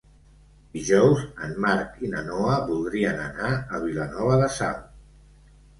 Dijous en Marc i na Noa voldrien anar a Vilanova de Sau.